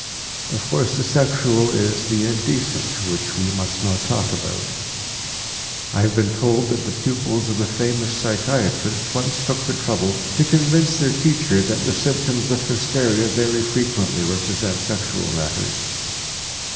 Of course, the sexual is the indecent, which we must not talk about. I have been told that the pupils of a famous psychiatrist once took the trouble to convince their teacher that the symptoms of hysteria very frequently represent sexual matters.